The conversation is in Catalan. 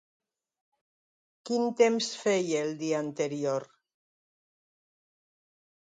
Quin temps feia el dia anterior?